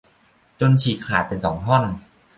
จนฉีกขาดเป็นสองท่อน